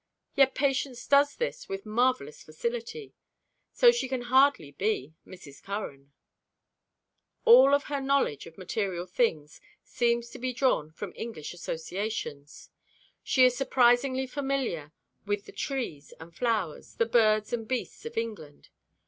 Yet Patience does this with marvelous facility. So she can hardly be Mrs. Curran. All of her knowledge of material things seems to be drawn from English associations. She is surprisingly familiar with the trees and flowers, the birds and beasts of England.